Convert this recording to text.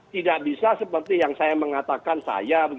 tidak bisa seperti yang saya mengatakan saya